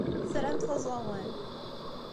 Tramt aẓawan.